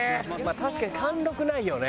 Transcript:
「確かに貫禄ないよね」